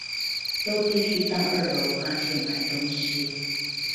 都必須到二樓花錢買東西